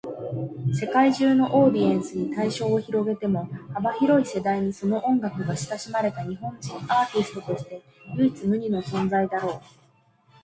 世界中のオーディエンスに対象を広げても、幅広い世代にその音楽が親しまれた日本人アーティストとして唯一無二の存在だろう。